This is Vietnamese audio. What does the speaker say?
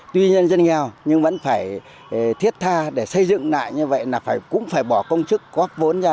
tuy nhiên dân nghèo nhưng vẫn phải thiết tha để xây dựng lại như vậy là cũng phải bỏ công chức góp vốn ra